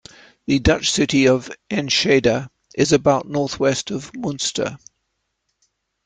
The Dutch city of Enschede is about northwest of Münster.